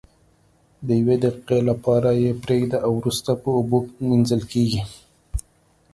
د یوې دقیقې لپاره یې پریږدو او وروسته په اوبو مینځل کیږي.